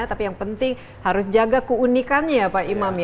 tapi yang penting harus jaga keunikannya ya pak imam ya